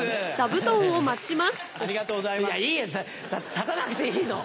立たなくていいの。